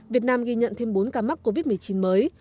việt nam ghi nhận thêm bốn ca mắc covid một mươi chín mới